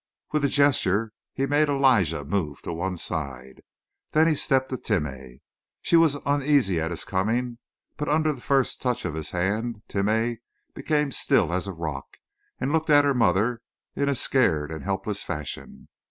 With a gesture he made Elijah move to one side. Then he stepped to Timeh. She was uneasy at his coming, but under the first touch of his hand Timeh became as still as rock and looked at her mother in a scared and helpless fashion.